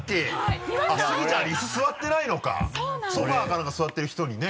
ソファか何か座ってる人にね。